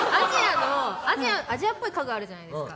アジアっぽい家具あるじゃないですか。